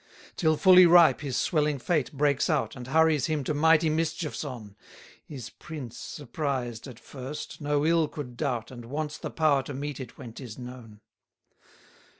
214 Till fully ripe his swelling fate breaks out, And hurries him to mighty mischiefs on: His prince, surprised at first, no ill could doubt, And wants the power to meet it when 'tis known.